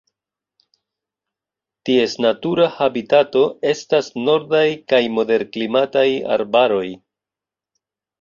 Ties natura habitato estas nordaj kaj moderklimataj arbaroj.